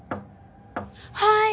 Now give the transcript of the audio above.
はい！